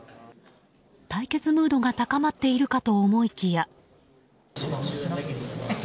対決ムードが高まっているかと思いきや。